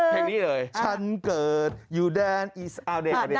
เพลงนี้เลยฉันเกิดอยู่ด้านอีสาวเดี๋ยวนั้นแหละ